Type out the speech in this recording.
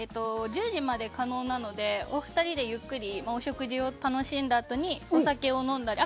１０時まで可能なのでお二人でゆっくりお食事を楽しんだあとにお酒を飲んだり。